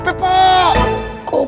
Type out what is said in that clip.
cepetan pak herman